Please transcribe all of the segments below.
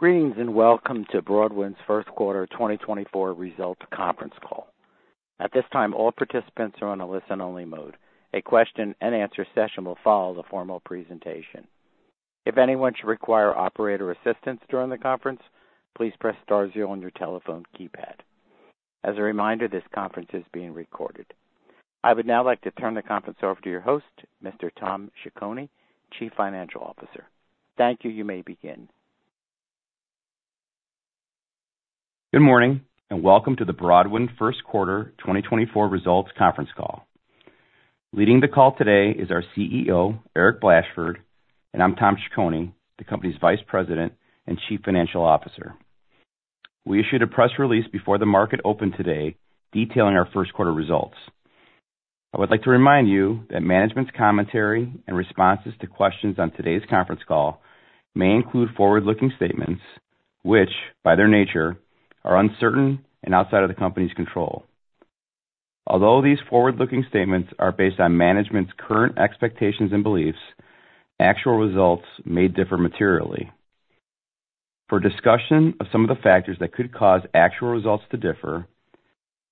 ...Greetings, and welcome to Broadwind's first quarter 2024 results conference call. At this time, all participants are on a listen-only mode. A question and answer session will follow the formal presentation. If anyone should require operator assistance during the conference, please press star zero on your telephone keypad. As a reminder, this conference is being recorded. I would now like to turn the conference over to your host, Mr. Tom Ciccone, Chief Financial Officer. Thank you. You may begin. Good morning, and welcome to the Broadwind first quarter 2024 results conference call. Leading the call today is our CEO, Eric Blashford, and I'm Tom Ciccone, the company's Vice President and Chief Financial Officer. We issued a press release before the market opened today, detailing our first quarter results. I would like to remind you that management's commentary and responses to questions on today's conference call may include forward-looking statements, which, by their nature, are uncertain and outside of the company's control. Although these forward-looking statements are based on management's current expectations and beliefs, actual results may differ materially. For discussion of some of the factors that could cause actual results to differ,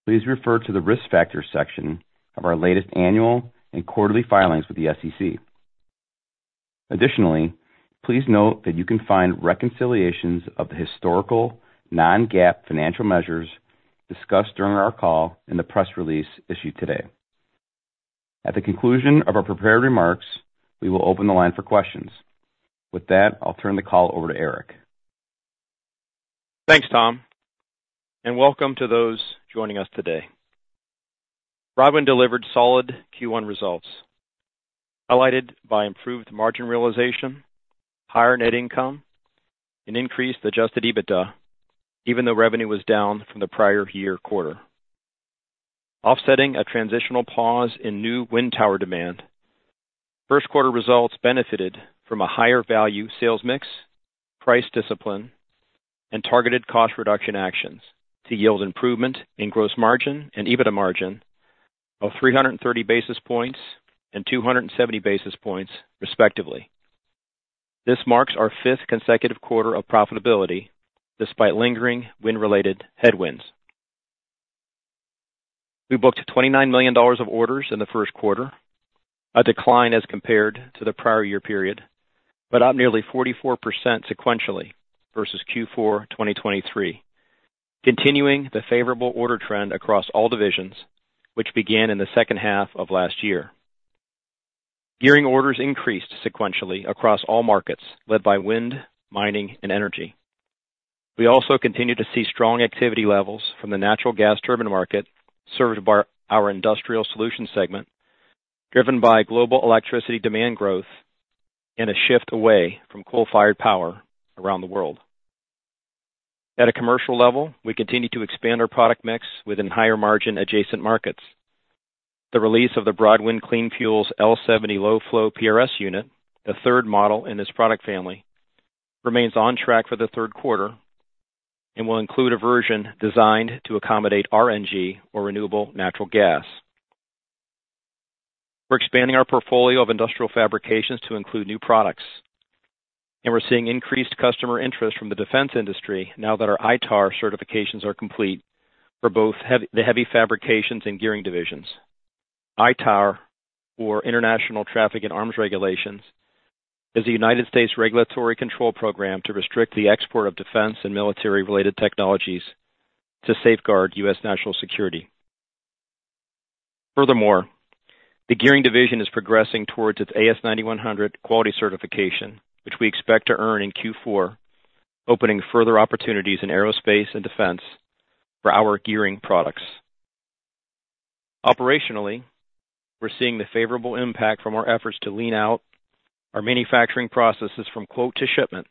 please refer to the Risk Factors section of our latest annual and quarterly filings with the SEC. Additionally, please note that you can find reconciliations of the historical non-GAAP financial measures discussed during our call in the press release issued today. At the conclusion of our prepared remarks, we will open the line for questions. With that, I'll turn the call over to Eric. Thanks, Tom, and welcome to those joining us today. Broadwind delivered solid Q1 results, highlighted by improved margin realization, higher net income, and increased Adjusted EBITDA, even though revenue was down from the prior year quarter. Offsetting a transitional pause in new wind tower demand, first quarter results benefited from a higher value sales mix, price discipline, and targeted cost reduction actions to yield improvement in gross margin and EBITDA margin of 330 basis points and 270 basis points, respectively. This marks our fifth consecutive quarter of profitability despite lingering wind-related headwinds. We booked $29 million of orders in the first quarter, a decline as compared to the prior year period, but up nearly 44% sequentially versus Q4 2023, continuing the favorable order trend across all divisions, which began in the second half of last year. Gearing orders increased sequentially across all markets, led by wind, mining, and energy. We also continued to see strong activity levels from the natural gas turbine market, served by our Industrial Solutions segment, driven by global electricity demand growth and a shift away from coal-fired power around the world. At a commercial level, we continue to expand our product mix within higher-margin adjacent markets. The release of the Broadwind Clean Fuels L70 Low-Flow PRS unit, the third model in this product family, remains on track for the third quarter and will include a version designed to accommodate RNG, or renewable natural gas. We're expanding our portfolio of industrial fabrications to include new products, and we're seeing increased customer interest from the defense industry now that our ITAR certifications are complete for both the Heavy Fabrications and Gearing divisions. ITAR, or International Traffic in Arms Regulations, is a United States regulatory control program to restrict the export of defense and military-related technologies to safeguard U.S. national security. Furthermore, the Gearing division is progressing towards its AS9100 quality certification, which we expect to earn in Q4, opening further opportunities in aerospace and defense for our Gearing products. Operationally, we're seeing the favorable impact from our efforts to lean out our manufacturing processes from quote to shipment,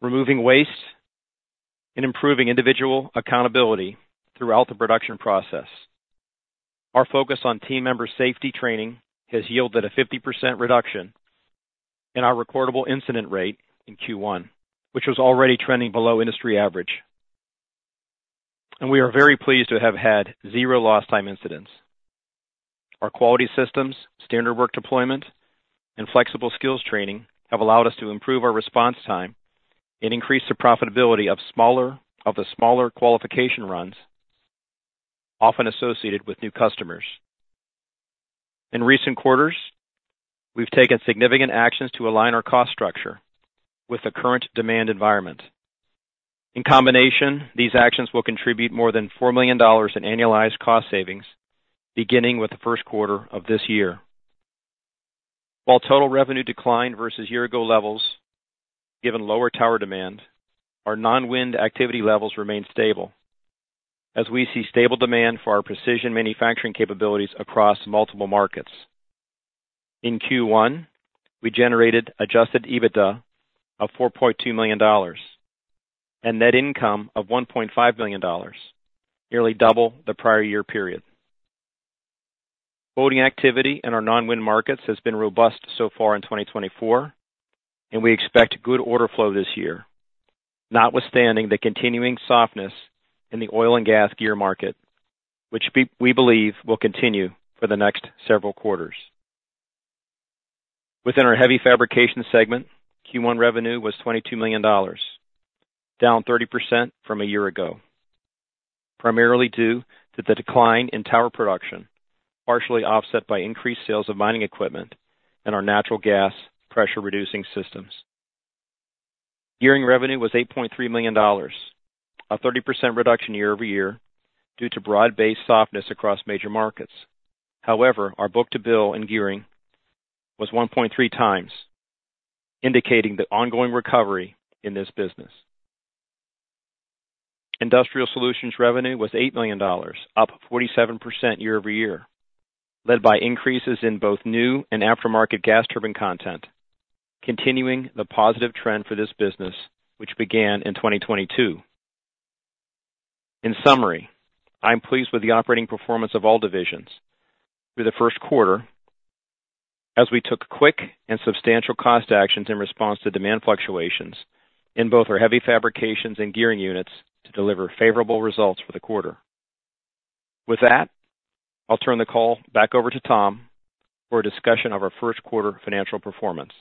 removing waste and improving individual accountability throughout the production process. Our focus on team member safety training has yielded a 50% reduction in our recordable incident rate in Q1, which was already trending below industry average. We are very pleased to have had zero lost time incidents. Our quality systems, standard work deployment, and flexible skills training have allowed us to improve our response time and increase the profitability of the smaller qualification runs, often associated with new customers. In recent quarters, we've taken significant actions to align our cost structure with the current demand environment. In combination, these actions will contribute more than $4 million in annualized cost savings, beginning with the first quarter of this year. While total revenue declined versus year-ago levels, given lower tower demand, our non-wind activity levels remained stable, as we see stable demand for our precision manufacturing capabilities across multiple markets. In Q1, we generated Adjusted EBITDA of $4.2 million and net income of $1.5 million, nearly double the prior year period. Quoting activity in our non-wind markets has been robust so far in 2024, and we expect good order flow this year, notwithstanding the continuing softness in the oil and gas gear market, which we believe will continue for the next several quarters. Within our Heavy Fabrication segment, Q1 revenue was $22 million, down 30% from a year ago, primarily due to the decline in tower production, partially offset by increased sales of mining equipment and our natural gas pressure-reducing systems. Gearing revenue was $8.3 million, a 30% reduction year over year, due to broad-based softness across major markets. However, our book-to-bill in Gearing was 1.3 times, indicating the ongoing recovery in this business. Industrial Solutions revenue was $8 million, up 47% year-over-year, led by increases in both new and aftermarket gas turbine content, continuing the positive trend for this business, which began in 2022. In summary, I'm pleased with the operating performance of all divisions through the first quarter as we took quick and substantial cost actions in response to demand fluctuations in both our Heavy Fabrications and Gearing units to deliver favorable results for the quarter. With that, I'll turn the call back over to Tom for a discussion of our first quarter financial performance.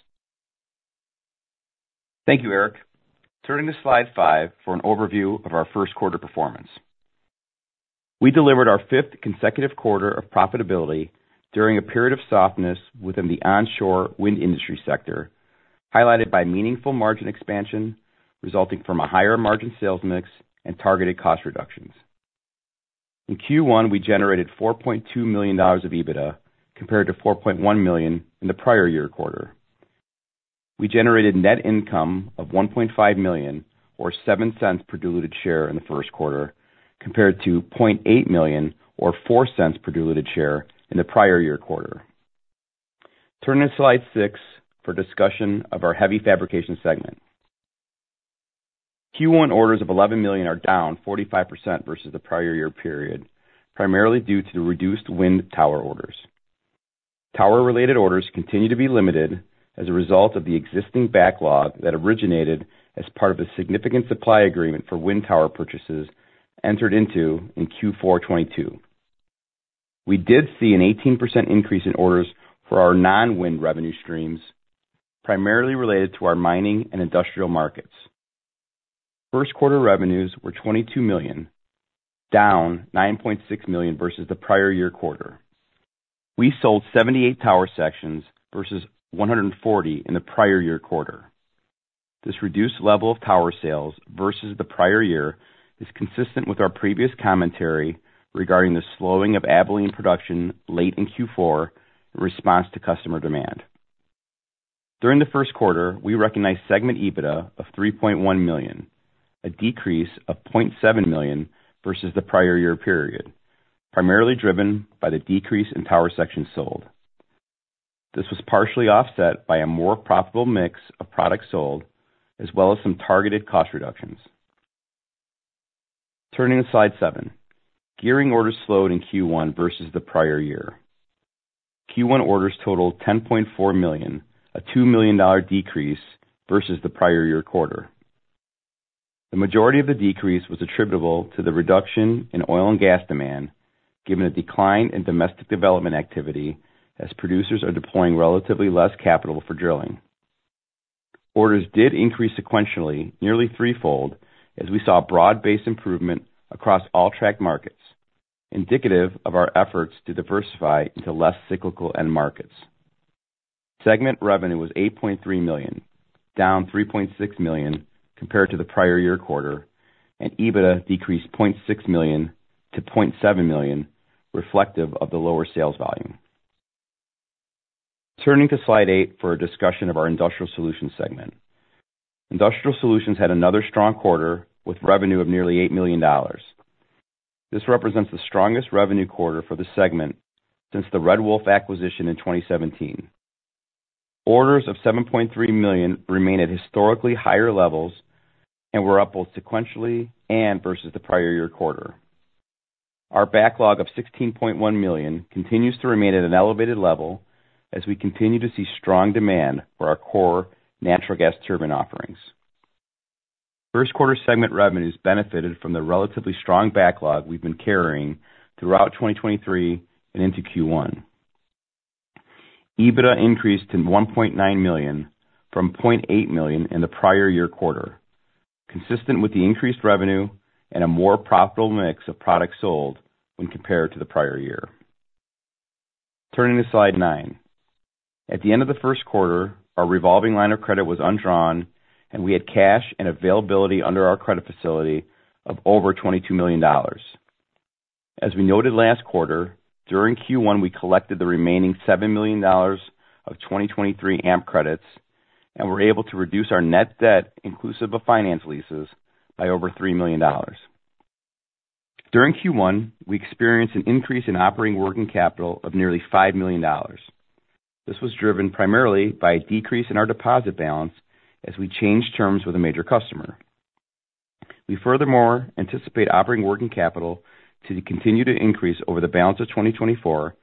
Thank you, Eric. Turning to slide 5 for an overview of our first quarter performance. We delivered our fifth consecutive quarter of profitability during a period of softness within the onshore wind industry sector, highlighted by meaningful margin expansion, resulting from a higher margin sales mix and targeted cost reductions. In Q1, we generated $4.2 million of EBITDA compared to $4.1 million in the prior year quarter. We generated net income of $1.5 million, or $0.07 per diluted share in the first quarter, compared to $0.8 million or $0.04 per diluted share in the prior year quarter. Turning to slide 6 for discussion of our Heavy Fabrication segment. Q1 orders of $11 million are down 45% versus the prior year period, primarily due to the reduced wind tower orders. Tower-related orders continue to be limited as a result of the existing backlog that originated as part of a significant supply agreement for wind tower purchases entered into in Q4 2022. We did see an 18% increase in orders for our non-wind revenue streams, primarily related to our mining and industrial markets. First quarter revenues were $22 million, down $9.6 million versus the prior year quarter. We sold 78 tower sections versus 140 in the prior year quarter. This reduced level of tower sales versus the prior year is consistent with our previous commentary regarding the slowing of Abilene production late in Q4 in response to customer demand. During the first quarter, we recognized segment EBITDA of $3.1 million, a decrease of $0.7 million versus the prior year period, primarily driven by the decrease in tower sections sold. This was partially offset by a more profitable mix of products sold, as well as some targeted cost reductions. Turning to slide 7. Gearing orders slowed in Q1 versus the prior year. Q1 orders totaled $10.4 million, a $2 million decrease versus the prior year quarter. The majority of the decrease was attributable to the reduction in oil and gas demand, given a decline in domestic development activity as producers are deploying relatively less capital for drilling. Orders did increase sequentially, nearly threefold, as we saw broad-based improvement across all end markets, indicative of our efforts to diversify into less cyclical end markets. Segment revenue was $8.3 million, down $3.6 million compared to the prior year quarter, and EBITDA decreased $0.6 million to $0.7 million, reflective of the lower sales volume. Turning to slide 8 for a discussion of our Industrial Solutions segment. Industrial Solutions had another strong quarter, with revenue of nearly $8 million. This represents the strongest revenue quarter for the segment since the Red Wolf acquisition in 2017. Orders of $7.3 million remain at historically higher levels and were up both sequentially and versus the prior year quarter. Our backlog of $16.1 million continues to remain at an elevated level as we continue to see strong demand for our core natural gas turbine offerings. First quarter segment revenues benefited from the relatively strong backlog we've been carrying throughout 2023 and into Q1. EBITDA increased to $1.9 million from $0.8 million in the prior year quarter, consistent with the increased revenue and a more profitable mix of products sold when compared to the prior year. Turning to slide 9. At the end of the first quarter, our revolving line of credit was undrawn, and we had cash and availability under our credit facility of over $22 million. As we noted last quarter, during Q1, we collected the remaining $7 million of 2023 AMP credits and were able to reduce our net debt, inclusive of finance leases, by over $3 million. During Q1, we experienced an increase in operating working capital of nearly $5 million. This was driven primarily by a decrease in our deposit balance as we changed terms with a major customer. We furthermore anticipate operating working capital to continue to increase over the balance of 2024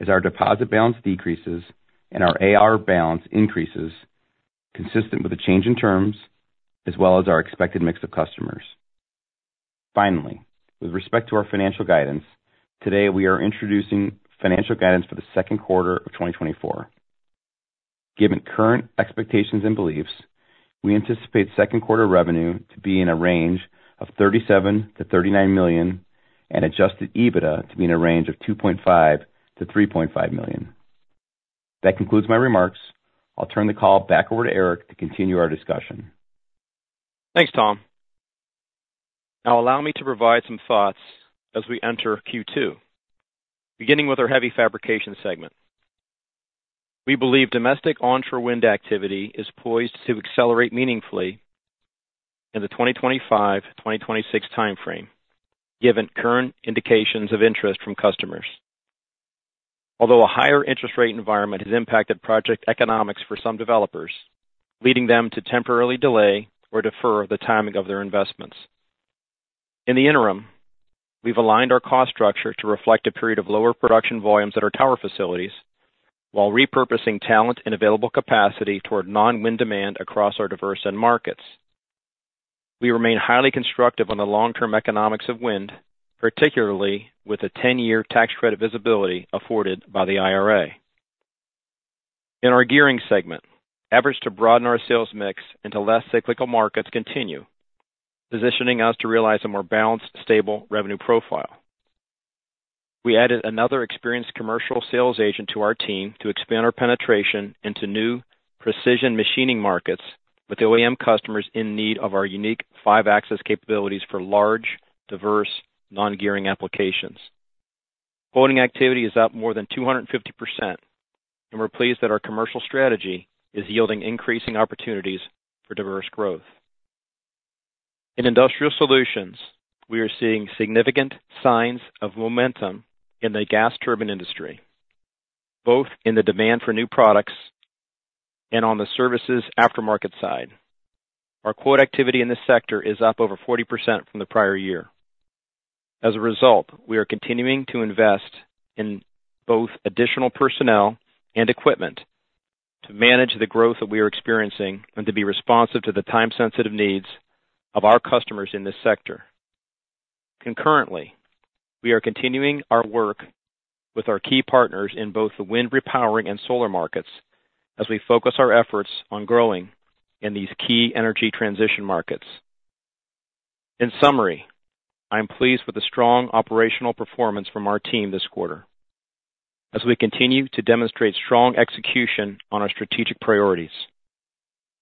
as our deposit balance decreases and our AR balance increases, consistent with the change in terms as well as our expected mix of customers. Finally, with respect to our financial guidance, today we are introducing financial guidance for the second quarter of 2024. Given current expectations and beliefs, we anticipate second quarter revenue to be in a range of $37 million-$39 million, and Adjusted EBITDA to be in a range of $2.5 million-$3.5 million. That concludes my remarks. I'll turn the call back over to Eric to continue our discussion. Thanks, Tom. Now allow me to provide some thoughts as we enter Q2. Beginning with our Heavy Fabrication segment. We believe domestic onshore wind activity is poised to accelerate meaningfully in the 2025/2026 timeframe, given current indications of interest from customers. Although a higher interest rate environment has impacted project economics for some developers, leading them to temporarily delay or defer the timing of their investments. In the interim, we've aligned our cost structure to reflect a period of lower production volumes at our tower facilities, while repurposing talent and available capacity toward non-wind demand across our diverse end markets. We remain highly constructive on the long-term economics of wind, particularly with a 10-year tax credit visibility afforded by the IRA. In our Gearing segment, efforts to broaden our sales mix into less cyclical markets continue, positioning us to realize a more balanced, stable revenue profile. We added another experienced commercial sales agent to our team to expand our penetration into new precision machining markets with OEM customers in need of our unique five-axis capabilities for large, diverse, non-Gearing applications. Quoting activity is up more than 250%, and we're pleased that our commercial strategy is yielding increasing opportunities for diverse growth. In industrial solutions, we are seeing significant signs of momentum in the gas turbine industry, both in the demand for new products and on the services aftermarket side. Our quote activity in this sector is up over 40% from the prior year. As a result, we are continuing to invest in both additional personnel and equipment to manage the growth that we are experiencing and to be responsive to the time-sensitive needs of our customers in this sector. Concurrently, we are continuing our work with our key partners in both the wind repowering and solar markets as we focus our efforts on growing in these key energy transition markets. In summary, I am pleased with the strong operational performance from our team this quarter as we continue to demonstrate strong execution on our strategic priorities.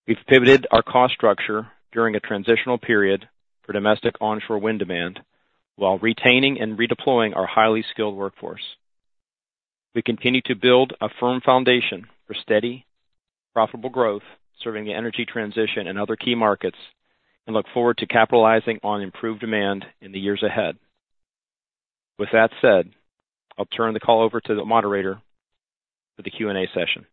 We've pivoted our cost structure during a transitional period for domestic onshore wind demand, while retaining and redeploying our highly skilled workforce. We continue to build a firm foundation for steady, profitable growth, serving the energy transition and other key markets, and look forward to capitalizing on improved demand in the years ahead. With that said, I'll turn the call over to the moderator for the Q&A session.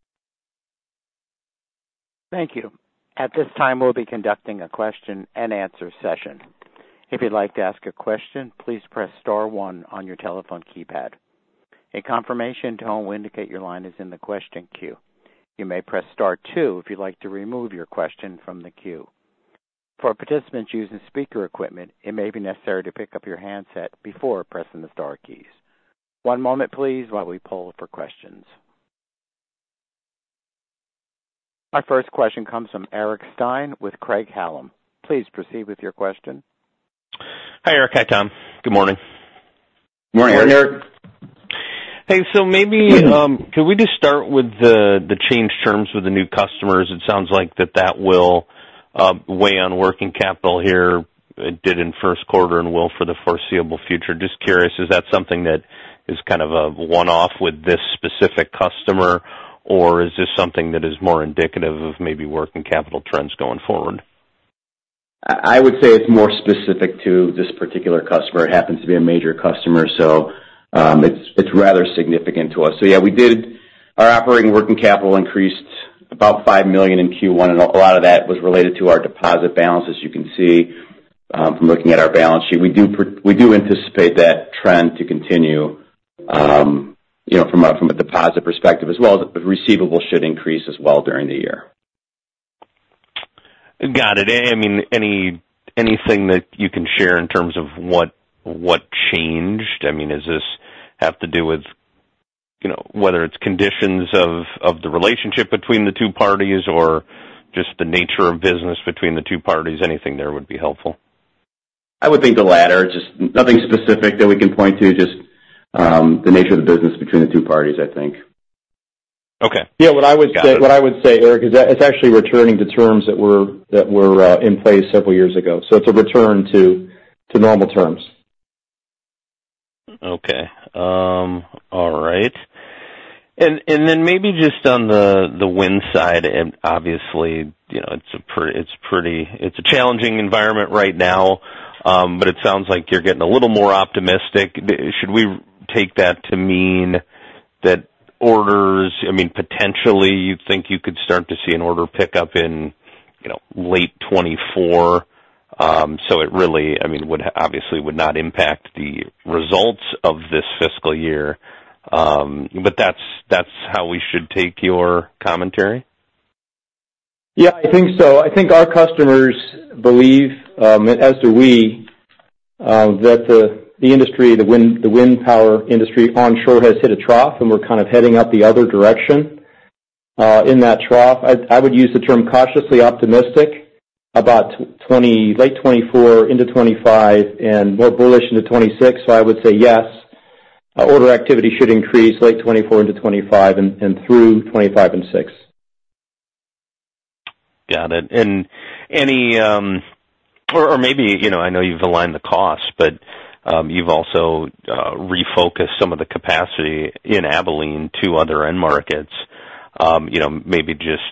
Thank you. At this time, we'll be conducting a question-and-answer session. If you'd like to ask a question, please press star one on your telephone keypad. A confirmation tone will indicate your line is in the question queue. You may press star two if you'd like to remove your question from the queue. For participants using speaker equipment, it may be necessary to pick up your handset before pressing the star keys. One moment please, while we poll for questions. Our first question comes from Eric Stine with Craig-Hallum. Please proceed with your question. Hi, Eric. Hi, Tom. Good morning. Good morning, Eric. Hey, so maybe, can we just start with the changed terms with the new customers? It sounds like that will weigh on working capital here. It did in first quarter and will for the foreseeable future. Just curious, is that something that is kind of a one-off with this specific customer, or is this something that is more indicative of maybe working capital trends going forward? I would say it's more specific to this particular customer. It happens to be a major customer, so, it's rather significant to us. So yeah, we did our operating working capital increased about $5 million in Q1, and a lot of that was related to our deposit balance, as you can see, from looking at our balance sheet. We do we do anticipate that trend to continue, you know, from a deposit perspective, as well as the receivable should increase as well during the year. Got it. I mean, anything that you can share in terms of what, what changed? I mean, does this have to do with, you know, whether it's conditions of, of the relationship between the two parties or just the nature of business between the two parties? Anything there would be helpful. I would think the latter. Just nothing specific that we can point to, just, the nature of the business between the two parties, I think. Okay. Yeah. What I would say- Got it. What I would say, Eric, is that it's actually returning to terms that were in place several years ago. So it's a return to normal terms. Okay. All right. And then maybe just on the wind side, and obviously, you know, it's a pretty challenging environment right now, but it sounds like you're getting a little more optimistic. Should we take that to mean that orders... I mean, potentially, you know, late 2024? So it really, I mean, would obviously not impact the results of this fiscal year, but that's how we should take your commentary?... Yeah, I think so. I think our customers believe, as do we, that the, the industry, the wind, the wind power industry onshore has hit a trough, and we're kind of heading up the other direction. In that trough, I, I would use the term cautiously optimistic about late 2024 into 2025 and more bullish into 2026. So I would say yes, order activity should increase late 2024 into 2025 and through 2025 and 2026. Got it. And any, or maybe, you know, I know you've aligned the costs, but, you've also refocused some of the capacity in Abilene to other end markets. You know, maybe just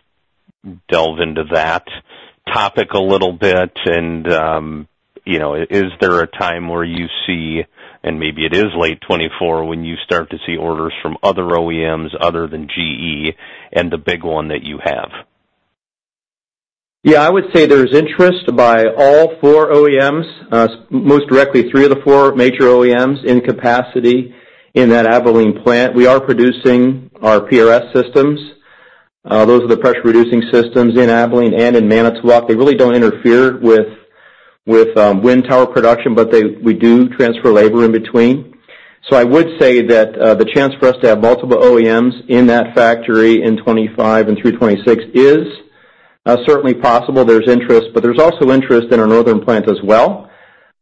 delve into that topic a little bit, and, you know, is there a time where you see, and maybe it is late 2024, when you start to see orders from other OEMs other than GE and the big one that you have? Yeah, I would say there's interest by all four OEMs, most directly, three of the four major OEMs in capacity in that Abilene plant. We are producing our PRS systems. Those are the pressure-reducing systems in Abilene and in Manitowoc. They really don't interfere with wind tower production, but we do transfer labor in between. So I would say that the chance for us to have multiple OEMs in that factory in 2025 and through 2026 is certainly possible. There's interest, but there's also interest in our northern plant as well.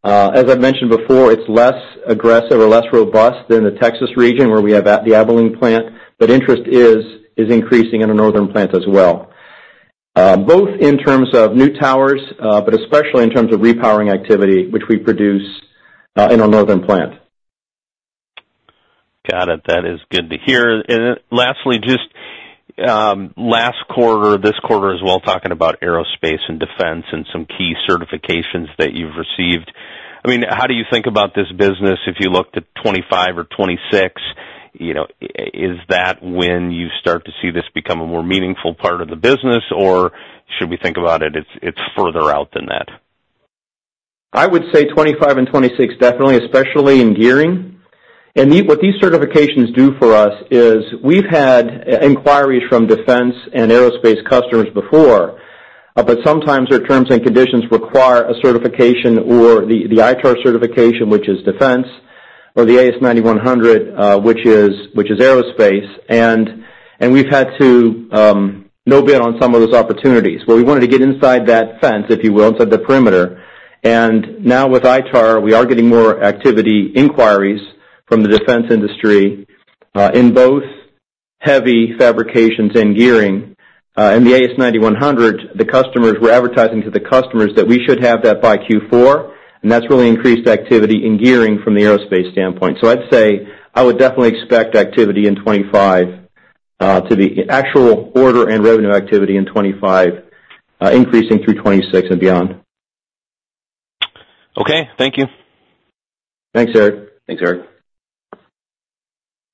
As I've mentioned before, it's less aggressive or less robust than the Texas region, where we have the Abilene plant, but interest is increasing in our northern plant as well. Both in terms of new towers, but especially in terms of repowering activity, which we produce, in our northern plant. Got it. That is good to hear. And then lastly, just last quarter, this quarter as well, talking about aerospace and defense and some key certifications that you've received. I mean, how do you think about this business if you looked at 2025 or 2026? You know, is that when you start to see this become a more meaningful part of the business, or should we think about it? It's further out than that? I would say 2025 and 2026, definitely, especially in Gearing. And what these certifications do for us is we've had inquiries from defense and aerospace customers before, but sometimes their terms and conditions require a certification or the ITAR certification, which is defense, or the AS9100, which is aerospace. And we've had to no-bid on some of those opportunities where we wanted to get inside that fence, if you will, inside the perimeter. And now, with ITAR, we are getting more activity inquiries from the defense industry in both Heavy Fabrications and Gearing. And the AS9100, the customers were advertising to the customers that we should have that by Q4, and that's really increased activity in Gearing from the aerospace standpoint. So I'd say I would definitely expect activity in 2025 to be actual order and revenue activity in 2025, increasing through 2026 and beyond. Okay, thank you. Thanks, Eric. Thanks, Eric.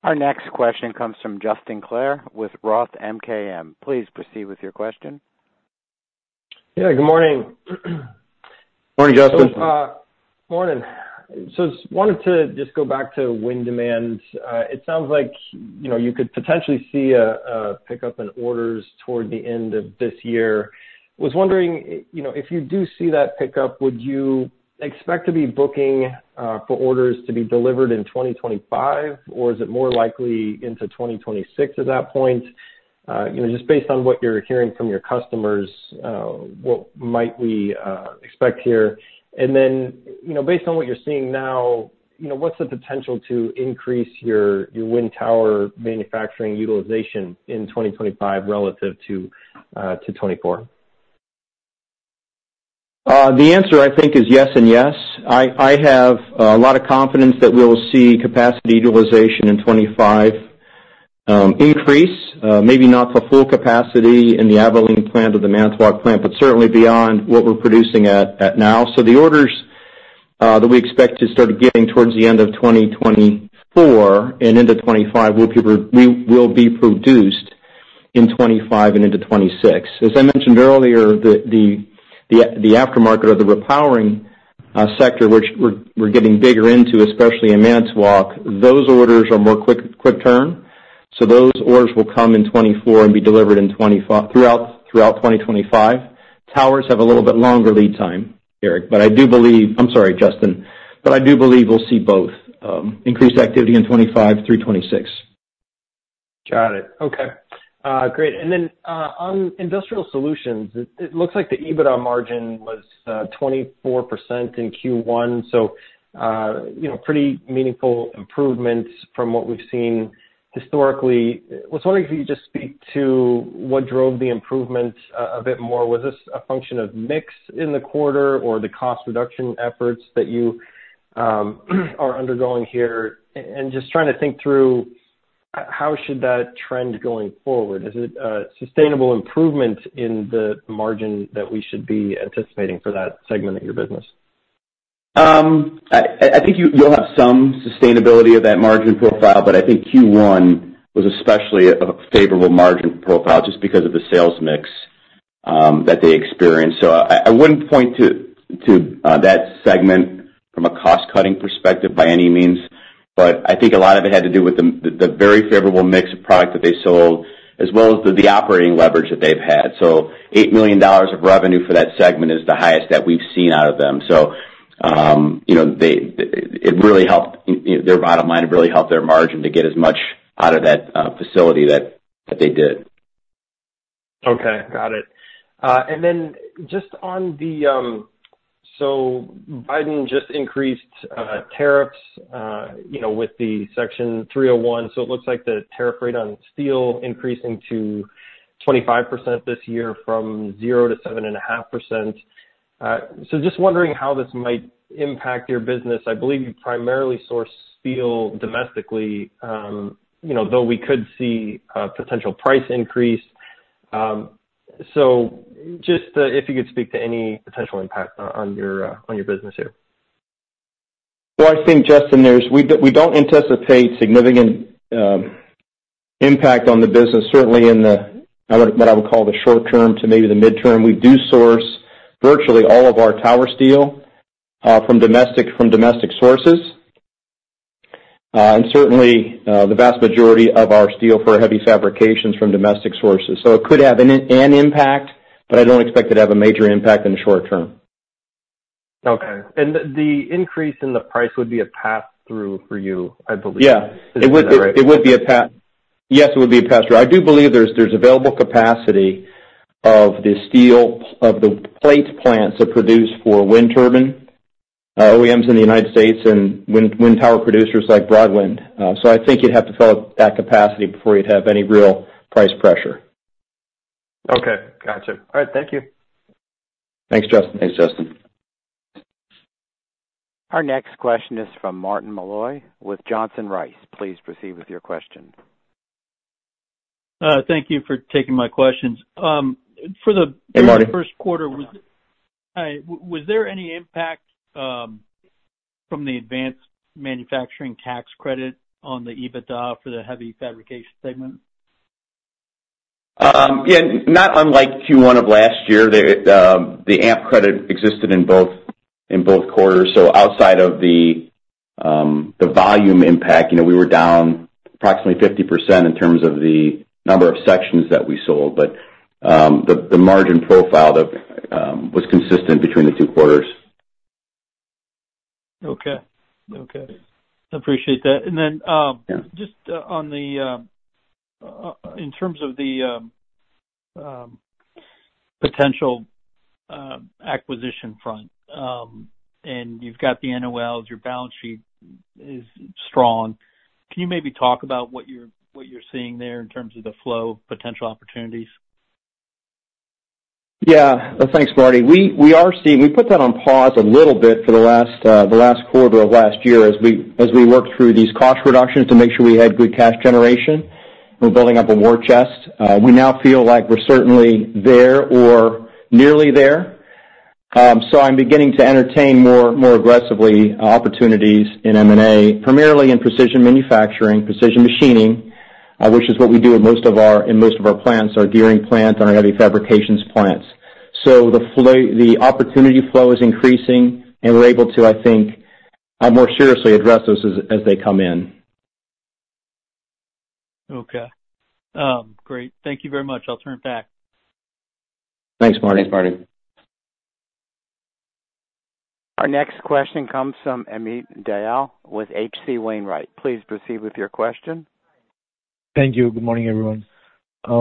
Our next question comes from Justin Clare with Roth MKM. Please proceed with your question. Yeah, good morning. Morning, Justin. Morning. Just wanted to just go back to wind demand. It sounds like, you know, you could potentially see a pickup in orders toward the end of this year. Was wondering, you know, if you do see that pickup, would you expect to be booking for orders to be delivered in 2025, or is it more likely into 2026 at that point? You know, just based on what you're hearing from your customers, what might we expect here? And then, you know, based on what you're seeing now, you know, what's the potential to increase your wind tower manufacturing utilization in 2025 relative to 2024? The answer, I think, is yes and yes. I have a lot of confidence that we will see capacity utilization in 2025 increase. Maybe not for full capacity in the Abilene plant or the Manitowoc plant, but certainly beyond what we're producing at now. So the orders that we expect to start getting towards the end of 2024 and into 2025 will be produced in 2025 and into 2026. As I mentioned earlier, the aftermarket or the repowering sector, which we're getting bigger into, especially in Manitowoc, those orders are more quick turn. So those orders will come in 2024 and be delivered in 2025 throughout 2025. Towers have a little bit longer lead time, Eric, but I do believe... I'm sorry, Justin. But I do believe we'll see both, increased activity in 2025 through 2026. Got it. Okay, great. And then, on industrial solutions, it looks like the EBITDA margin was 24% in Q1, so, you know, pretty meaningful improvements from what we've seen historically. I was wondering if you could just speak to what drove the improvement a bit more. Was this a function of mix in the quarter or the cost reduction efforts that you are undergoing here? And just trying to think through how should that trend going forward? Is it a sustainable improvement in the margin that we should be anticipating for that segment of your business? I think you'll have some sustainability of that margin profile, but I think Q1 was especially a favorable margin profile just because of the sales mix that they experienced. So I wouldn't point to that segment from a cost-cutting perspective by any means, but I think a lot of it had to do with the very favorable mix of product that they sold, as well as the operating leverage that they've had. So $8 million of revenue for that segment is the highest that we've seen out of them. So, you know, it really helped, you know, their bottom line. It really helped their margin to get as much out of that facility that they did. Okay, got it. And then just on the, so Biden just increased tariffs, you know, with the Section 301. So it looks like the tariff rate on steel increasing to 25% this year from 0%-7.5%. So just wondering how this might impact your business. I believe you primarily source steel domestically, you know, though we could see a potential price increase. So just, if you could speak to any potential impact on, on your, on your business here. Well, I think, Justin, we don't anticipate significant impact on the business, certainly in what I would call the short term to maybe the midterm. We do source virtually all of our tower steel from domestic sources. And certainly, the vast majority of our steel for Heavy Fabrications from domestic sources. So it could have an impact, but I don't expect it to have a major impact in the short term. Okay. And the increase in the price would be a pass-through for you, I believe? Yeah. Is that right? It would be a pass-through. I do believe there's available capacity of the steel, of the plate plants that produce for wind turbine OEMs in the United States and wind power producers like Broadwind. So I think you'd have to fill up that capacity before you'd have any real price pressure. Okay. Gotcha. All right, thank you. Thanks, Justin. Thanks, Justin. Our next question is from Martin Malloy with Johnson Rice. Please proceed with your question. Thank you for taking my questions. For the- Hey, Martin... first quarter, was there any impact from the advanced manufacturing tax credit on the EBITDA for the Heavy Fabrication segment? Yeah, not unlike Q1 of last year, the AMP credit existed in both quarters. So outside of the volume impact, you know, we were down approximately 50% in terms of the number of sections that we sold. But the margin profile that was consistent between the two quarters. Okay. Okay, appreciate that. And then, Yeah... just on the in terms of the potential acquisition front, and you've got the NOLs, your balance sheet is strong. Can you maybe talk about what you're seeing there in terms of the flow of potential opportunities? Yeah. Thanks, Marty. We are seeing... We put that on pause a little bit for the last quarter of last year, as we worked through these cost reductions to make sure we had good cash generation. We're building up a war chest. We now feel like we're certainly there or nearly there. So I'm beginning to entertain more aggressively opportunities in M&A, primarily in precision manufacturing, precision machining, which is what we do in most of our plants, our Gearing plant and our Heavy Fabrications plants. So the opportunity flow is increasing, and we're able to, I think, more seriously address those as they come in. Okay. Great. Thank you very much. I'll turn it back. Thanks, Martin. Thanks, Marty. Our next question comes from Amit Dayal with H.C. Wainwright. Please proceed with your question. Thank you. Good morning, everyone. Hi,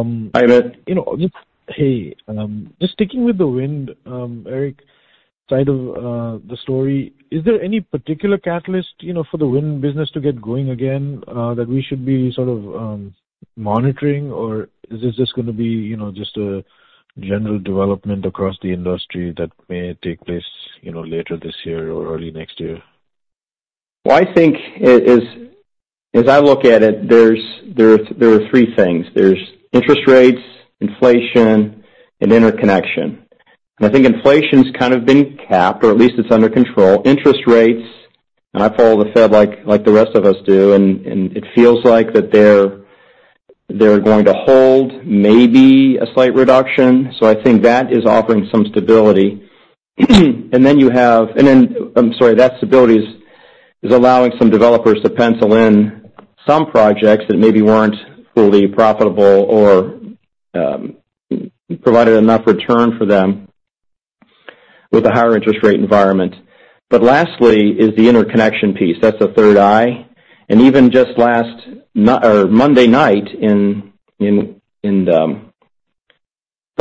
Amit. You know, just sticking with the wind, Eric, side of the story, is there any particular catalyst, you know, for the wind business to get going again, that we should be sort of, monitoring? Or is this just gonna be, you know, just a general development across the industry that may take place, you know, later this year or early next year? Well, I think as I look at it, there are three things. There's interest rates, inflation, and interconnection. And I think inflation's kind of been capped, or at least it's under control. Interest rates, and I follow the Fed like the rest of us do, and it feels like that they're going to hold maybe a slight reduction. So I think that is offering some stability. And then you have... And then, I'm sorry, that stability is allowing some developers to pencil in some projects that maybe weren't fully profitable or provided enough return for them with a higher interest rate environment. But lastly, is the interconnection piece. That's the third eye. And even just last Monday night, in the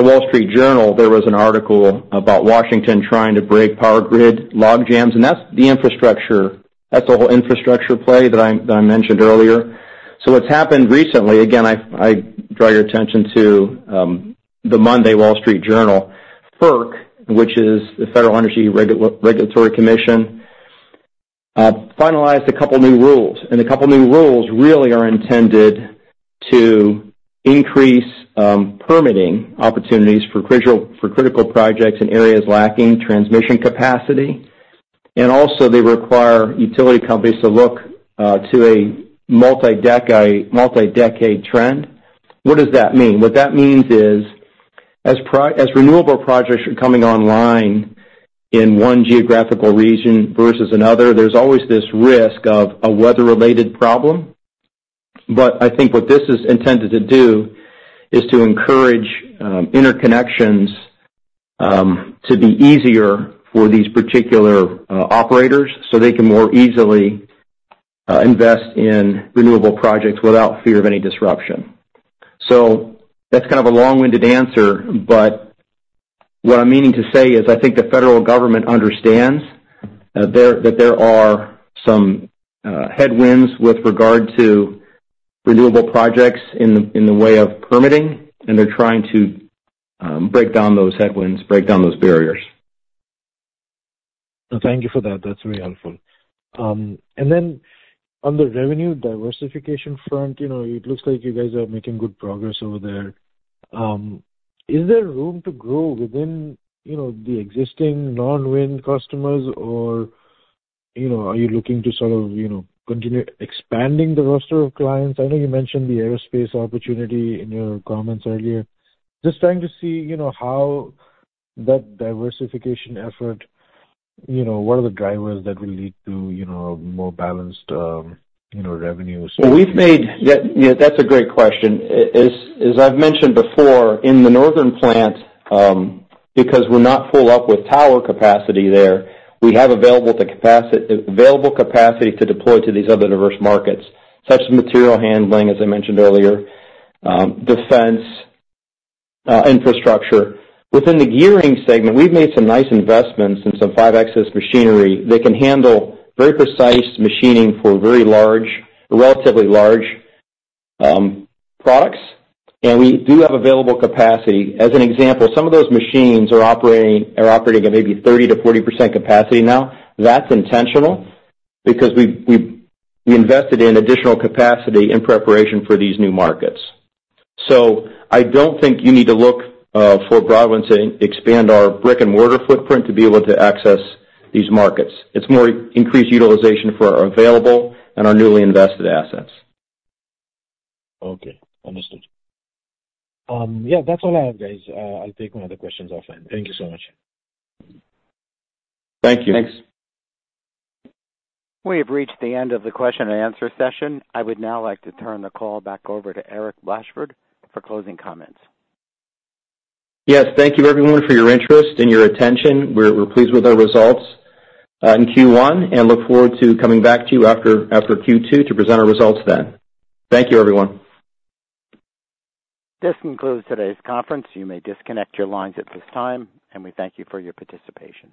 Wall Street Journal, there was an article about Washington trying to break power grid logjams, and that's the infrastructure. That's the whole infrastructure play that I mentioned earlier. So what's happened recently, again, I draw your attention to the Monday Wall Street Journal, FERC, which is the Federal Energy Regulatory Commission, finalized a couple new rules. And the couple new rules really are intended to increase permitting opportunities for critical projects in areas lacking transmission capacity, and also they require utility companies to look to a multi-decade trend. What does that mean? What that means is, as renewable projects are coming online in one geographical region versus another, there's always this risk of a weather-related problem. But I think what this is intended to do is to encourage interconnections to be easier for these particular operators, so they can more easily invest in renewable projects without fear of any disruption. So that's kind of a long-winded answer, but what I'm meaning to say is, I think the federal government understands that there are some headwinds with regard to renewable projects in the way of permitting, and they're trying to break down those headwinds, break down those barriers. Thank you for that. That's very helpful. And then on the revenue diversification front, you know, it looks like you guys are making good progress over there. Is there room to grow within, you know, the existing non-wind customers? Or, you know, are you looking to sort of, you know, continue expanding the roster of clients? I know you mentioned the aerospace opportunity in your comments earlier. Just trying to see, you know, how that diversification effort, you know, what are the drivers that will lead to, you know, more balanced, you know, revenues? Yeah, yeah, that's a great question. I've mentioned before, in the northern plant, because we're not full up with tower capacity there, we have available capacity to deploy to these other diverse markets, such as material handling, as I mentioned earlier, defense, infrastructure. Within the Gearing segment, we've made some nice investments in some five-axis machinery that can handle very precise machining for very large, relatively large, products. And we do have available capacity. As an example, some of those machines are operating at maybe 30%-40% capacity now. That's intentional, because we invested in additional capacity in preparation for these new markets. So I don't think you need to look for Broadwind to expand our brick-and-mortar footprint to be able to access these markets. It's more increased utilization for our available and our newly invested assets. Okay, understood. Yeah, that's all I have, guys. I'll take my other questions offline. Thank you so much. Thank you. Thanks. We have reached the end of the question and answer session. I would now like to turn the call back over to Eric Blashford for closing comments. Yes, thank you everyone for your interest and your attention. We're pleased with our results in Q1, and look forward to coming back to you after Q2 to present our results then. Thank you, everyone. This concludes today's conference. You may disconnect your lines at this time, and we thank you for your participation.